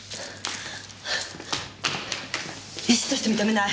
医師として認めない。